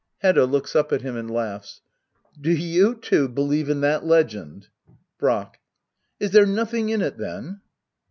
Hedda. [Looks up at Mm and latighs,] Do you too believe in that legend ? Brack. Is there nothing in it, then